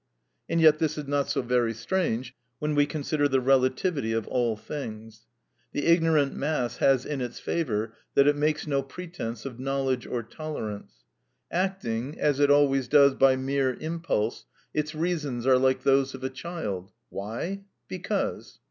And yet this is not so very strange when we consider the relativity of all things. The ignorant mass has in its favor that it makes no pretense of knowledge or tolerance. Acting, as it always does, by mere impulse, its reasons are like those of a child. "Why?" "Because."